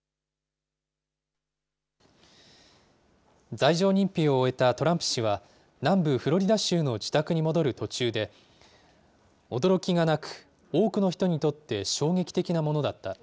罪状認否を終えたトランプ氏は、南部フロリダ州の自宅に戻る途中で、驚きがなく、多くの人にとって衝撃的なものだった。